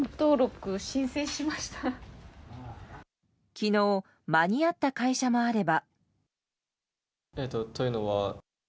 昨日間に合った会社もあれば。